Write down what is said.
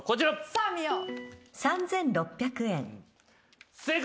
さあ見よう。